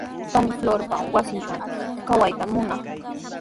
Panii Florpa wasintrawmi kawayta munaa.